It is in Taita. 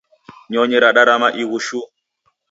Nyonyi radarama ighu shuu.